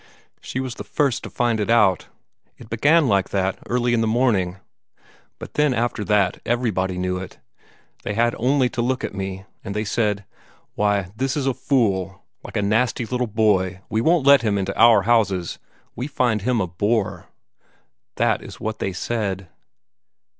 She was the first to find it out. It began like that, early in the morning. But then after that everybody knew it. They had only to look at me and they said: 'Why, this is a fool like a little nasty boy; we won't let him into our houses; we find him a bore.' That is what they said."